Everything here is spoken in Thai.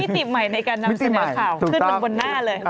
อันไหนคิ้วอันไหนตัวสื่อ